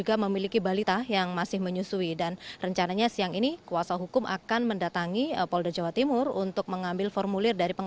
ahli bahasa ahli dari kementerian